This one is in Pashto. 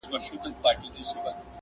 ده د خپل کور سره سرای.